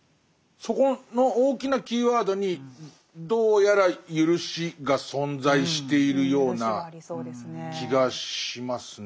そこの大きなキーワードにどうやら「ゆるし」が存在しているような気がしますね。